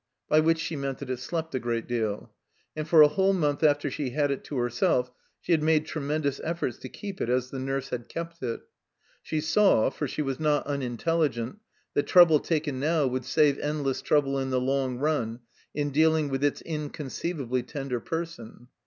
By which she meant that it slept a great deal. And for a whole month after she had it to herself she had made tremendous efforts to keep it as the ntirse had kept it. She saw (for she was not tmintelligent) that trouble taken now would save endless trouble in the long nm, in dealing with its inconceivably tender person.